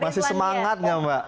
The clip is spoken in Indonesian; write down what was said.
masih semangatnya mbak